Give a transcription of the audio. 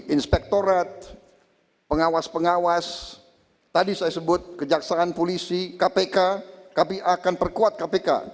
inspektorat pengawas pengawas tadi saya sebut kejaksaan polisi kpk kami akan perkuat kpk